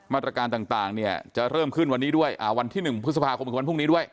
มาตรการต่างเนี่ยจะเริ่มขึ้นวันนี้ด้วยวันที่๑พฤษภาคมคือวันพรุ่งนี้ด้วย